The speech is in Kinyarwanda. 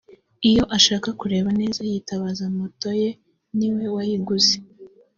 Iyo ashaka kureba neza yitabaza moto ye niwe wayiguze